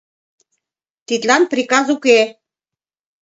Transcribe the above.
Тидлан приказ уке.